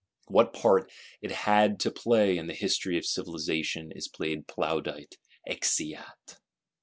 What part it had to play in the History of Civilisation is played _plaudite; exeat!